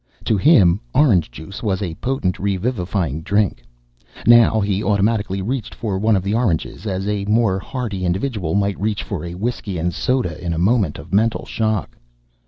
To him, orange juice was a potent, revivifying drink. Now he automatically reached for one of the oranges, as a more hardy individual might reach for a whisky and soda in a moment of mental shock.